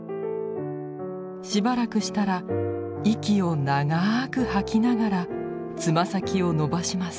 しばらくしたら息を長く吐きながらつま先を伸ばします。